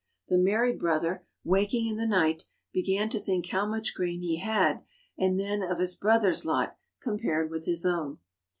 The married brother, waking in the night, began to think how much grain he had and then of his brother's lot compared with his own.